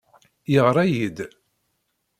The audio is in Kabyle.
Yeɣra-iyi-d.